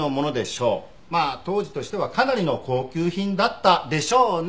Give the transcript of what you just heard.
まあ当時としてはかなりの高級品だったでしょうね。